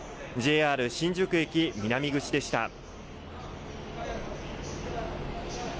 ＪＲ新宿駅南口でした。